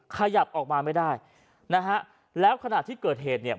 ขยับออกมาไม่ได้นะฮะแล้วขณะที่เกิดเหตุเนี่ย